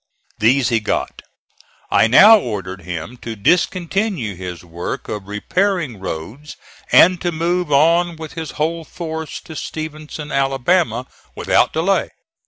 These he got. I now ordered him to discontinue his work of repairing roads and to move on with his whole force to Stevenson, Alabama, without delay.